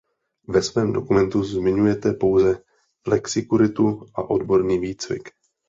Ve svém dokumentu zmiňujete pouze flexikuritu a odborný výcvik.